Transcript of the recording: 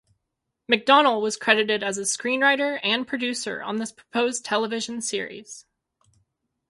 McDonell was credited as a screenwriter and producer on this proposed television series.